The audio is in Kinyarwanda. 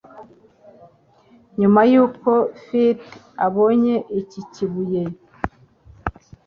Nyuma y'uko Fleet abonye iki kibuye